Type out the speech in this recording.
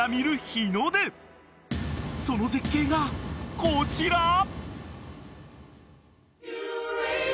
［その絶景がこちら！］